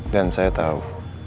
dan saya tahu